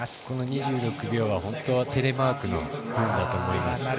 この２６秒は本当はテレマークの分だと思います。